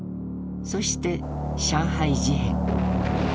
そして上海事変。